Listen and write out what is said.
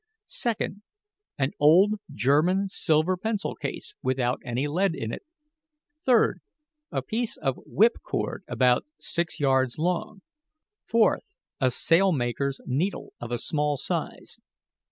Second, an old German silver pencil case without any lead in it. Third, a piece of whip cord about six yards long. Fourth, a sailmaker's needle of a small size.